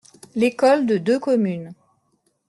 L’école de deux communes.